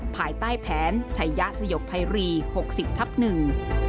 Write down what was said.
ภายใต้แผนชัยยะสยบภัยรีหกสิบทับหนึ่ง